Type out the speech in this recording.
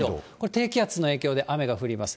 低気圧の影響で、雨が降ります。